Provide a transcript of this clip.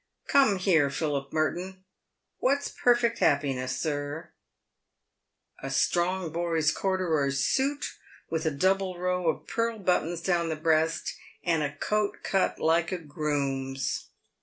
Come here, Philip Merton ! "What's perfect happiness, sir ?" A strong boy's corduroy suit, with a double row of pearl buttons down the breast, and a coat cut like a groom's."